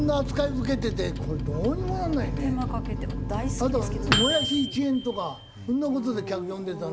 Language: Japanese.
あともやし１円とかそんな事で客呼んでたの。